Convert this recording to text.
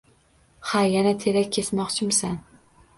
Ha, yana terak kesmoqchimisan?